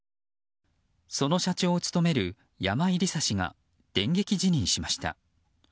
その社長を務める山井梨沙氏が電撃辞任しました。